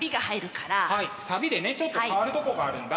はいサビでねちょっと変わるとこがあるんだ。